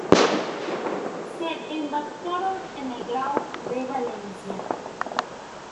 Se embarcaron en el Grao de Valencia.